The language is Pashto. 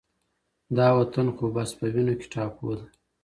دا وطن خو بس په وینو کې ټاپو ده